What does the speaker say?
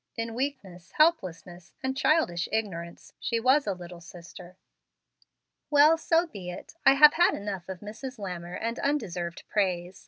In weakness, helplessness, and childish ignorance, she was a little sister." "Well, so be it. I have had enough of Mrs. Lammer and undeserved praise.